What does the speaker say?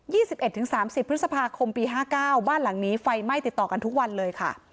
สิบเอ็ดถึงสามสิบพฤษภาคมปีห้าเก้าบ้านหลังนี้ไฟไหม้ติดต่อกันทุกวันเลยค่ะ